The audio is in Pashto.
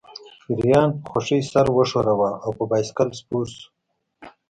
پیریان په خوښۍ سر وښوراوه او په بایسکل سپور شو